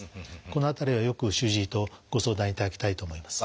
この辺りはよく主治医とご相談いただきたいと思います。